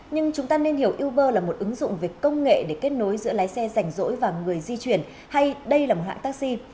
nhưng chúng ta nên hiểu uber là một ứng dụng về công nghệ để kết nối giữa lái xe rảnh rỗi và người di chuyển hay đây là một hãng taxi